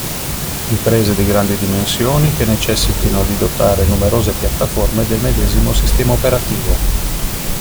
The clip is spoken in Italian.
Imprese di grandi dimensioni che necessitino di dotare numerose piattaforme del medesimo sistema operativo.